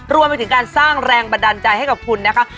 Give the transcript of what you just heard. รวมไปถึงการสร้างแรงบันดาลใจให้กับคุณนะคะ